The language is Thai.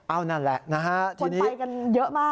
เอานั่นแหละนะฮะทีนี้ไปกันเยอะมาก